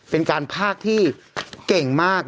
เป็นการภาคที่เก่งมาก